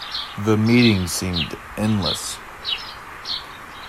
The meeting seemed endless.